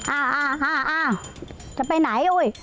อ่าจะไปไหน